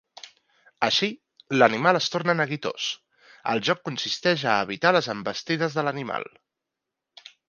Així, l'animal es torna neguitós; el joc consisteix a evitar les envestides de l'animal.